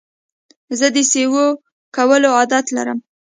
زه د سیو کولو عادت لرم.